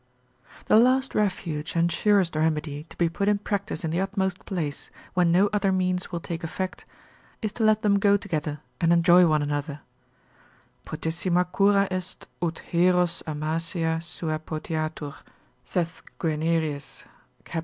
The last refuge and surest remedy, to be put in practice in the utmost place, when no other means will take effect, is to let them go together, and enjoy one another: potissima cura est ut heros amasia sua potiatur, saith Guianerius, cap.